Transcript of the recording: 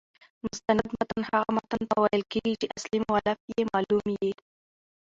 مستند متن هغه متن ته ویل کیږي، چي اصلي مؤلف يې معلوم يي.